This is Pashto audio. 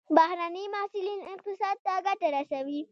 بهرني محصلین اقتصاد ته ګټه رسوي.